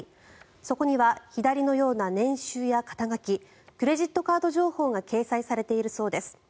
そこには左のような年収や肩書クレジットカード情報が掲載されているそうです。